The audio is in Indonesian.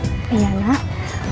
posisinya udah pas kan umar